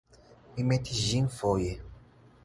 Mi metis ĝin foje.